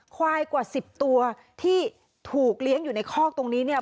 ควายกว่าสิบตัวที่ถูกเลี้ยงอยู่ในข้อกตรงนี้